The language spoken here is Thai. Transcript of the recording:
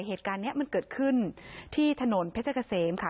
เหตุการณ์นี้มันเกิดขึ้นที่ถนนเพชรเกษมค่ะ